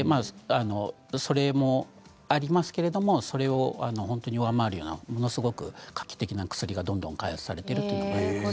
それもありますけれどもそれを本当に上回るようなものすごく画期的な薬がどんどん開発されています。